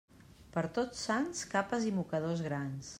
Per Tots Sants, capes i mocadors grans.